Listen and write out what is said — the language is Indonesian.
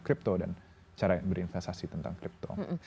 kita juga melakukan konten akademi pintu akademi